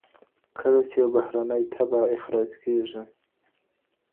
کله یو بهرنی تبعه اخراج کیږي؟